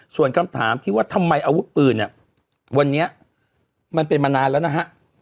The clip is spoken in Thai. ส่วนคำถามที่ว่าทำไมอาวุธปืนเนี่ยวันนี้มันเป็นมานานแล้วนะฮะ